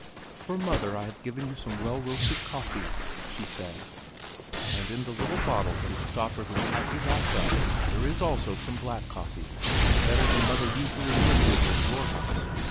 "For mother, I have given you some well roasted coffee," she said, "and in the little bottle that is stoppered and tightly wrapped up there is also some black coffee, better than mother usually makes over at your house.